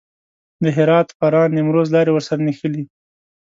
د هرات، فراه، نیمروز لارې ورسره نښلي.